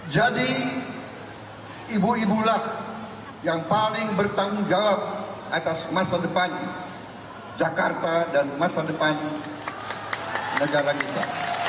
jadi ibu ibulah yang paling bertanggung jawab atas masa depan jakarta dan masa depan negara kita